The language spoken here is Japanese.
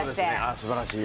ああ素晴らしい。